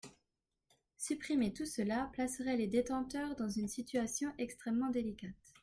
Supprimer tout cela placerait les détenteurs dans une situation extrêmement délicate.